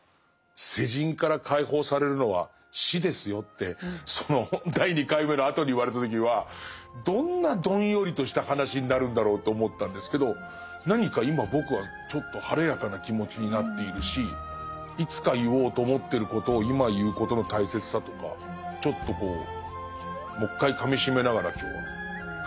世人から解放されるのは死ですよってその第２回目のあとに言われた時はどんなどんよりとした話になるんだろうと思ったんですけど何か今僕はちょっと晴れやかな気持ちになっているしいつか言おうと思ってることを今言うことの大切さとかちょっとこうもう一回かみしめながら今日は帰りたい。